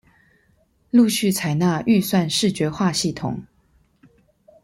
陸續採納預算視覺化系統